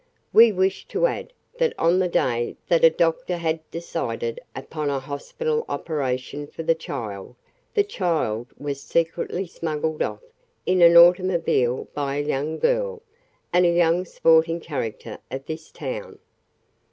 "We wish to add that on the day that our doctor had decided upon a hospital operation for the child, the child was secretly smuggled off in an automobile by a young girl, and a young sporting character of this town."